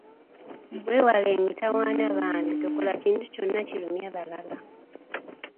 Weewale emitawana bambi tokola kintu kyonna kirumya balala.